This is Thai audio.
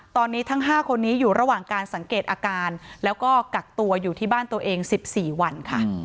ตอนนี้ทั้ง๕คนนี้อยู่ระหว่างการสังเกตอาการแล้วก็กักตัวอยู่ที่บ้านตัวเอง๑๔วันค่ะ